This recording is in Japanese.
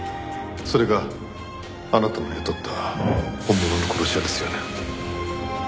それがあなたの雇った本物の殺し屋ですよね？